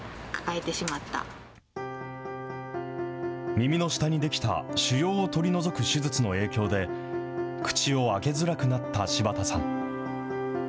耳の下に出来た腫瘍を取り除く手術の影響で、口を開けづらくなった柴田さん。